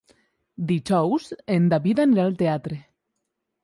Dijous en David anirà al teatre.